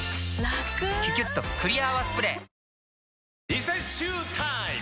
・リセッシュータイム！